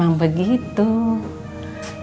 kalo gitu dede ke kamar dulu ya ma